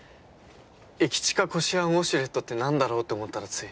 「駅近こしあんウォシュレット」って何だろうって思ったらつい。